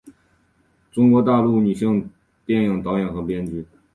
中国大陆女性电影导演和编剧。